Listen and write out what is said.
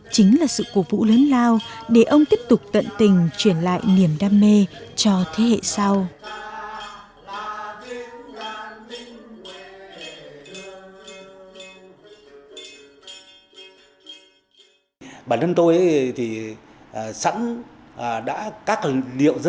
chính là sự cổ vũ lớn lao để ông tiếp tục tận tình truyền lại niềm đồng